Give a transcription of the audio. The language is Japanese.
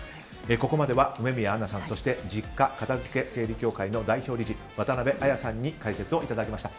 ここまでは梅宮アンナさんそして実家片づけ整理協会代表理事、渡部亜矢さんに解説をいただきました。